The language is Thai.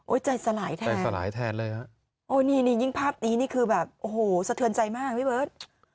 โอ๊ยใจสลายแทนโอ๊ยนี่นี่ยิ่งภาพนี้นี่คือแบบโอ้โหสะเทือนใจมากวิเวิร์ด